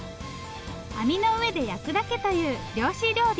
網の上で焼くだけという漁師料理。